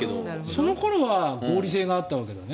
その頃は合理性があったわけだね。